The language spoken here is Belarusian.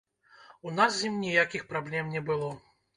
У нас з ім ніякіх праблем не было.